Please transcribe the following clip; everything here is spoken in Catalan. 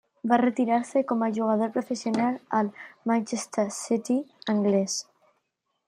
Va retirar-se com a jugador professional al Manchester City anglès.